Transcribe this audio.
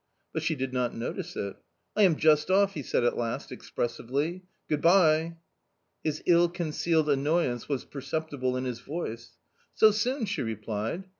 But she did not notice it. "I am just off!" He said at last expressively, " Good bye!" His ill concealed annoyance was perceptible in his voice. " So soon ?" she replied.